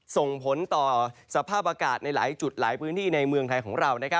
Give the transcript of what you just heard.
ส่งผลต่อสภาพอากาศในหลายจุดหลายพื้นที่ในเมืองไทยของเรา